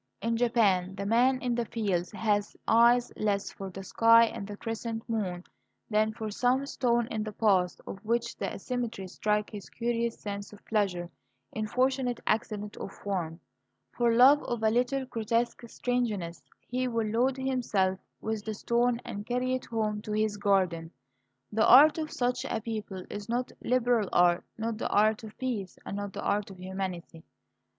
In Japan the man in the fields has eyes less for the sky and the crescent moon than for some stone in the path, of which the asymmetry strikes his curious sense of pleasure in fortunate accident of form. For love of a little grotesque strangeness he will load himself with the stone and carry it home to his garden. The art of such a people is not liberal art, not the art of peace, and not the art of humanity.